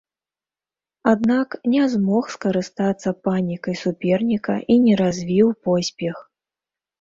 Аднак не змог скарыстацца панікай суперніка і не развіў поспех.